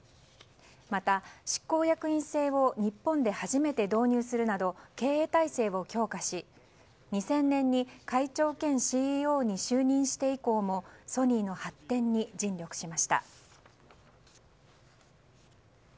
また、執行役員制を日本で初めて導入するなど経営体制を強化し２０００年に会長兼ＣＥＯに就任して以降もソニーの発展に尽力しました。